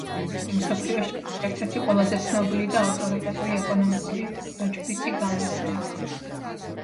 იგი მსოფლიოში ერთ-ერთი ყველაზე ცნობილი და ავტორიტეტული ეკონომიკური ბეჭდვითი გამოცემაა.